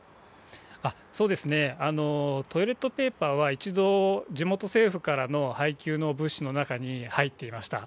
トイレットペーパーは、一度、地元政府からの配給の物資の中に入っていました。